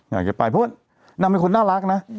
อยากจะไปเพราะว่านางเป็นคนน่ารักนะ